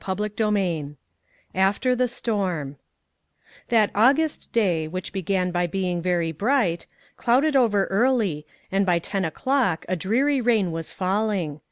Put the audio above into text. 262 CHAPTER XVII AFTER THE STORM THAT August day which began by be ing very bright, clouded over early and by ten o'clock a dreary rain was falling.